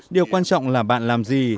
điều quan trọng là bạn làm gì